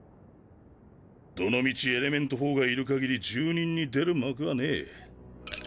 どのみちエレメント４がいる限り住人に出る幕はねえ。